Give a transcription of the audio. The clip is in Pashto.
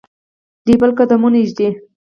دپیل قدمونه ایږدي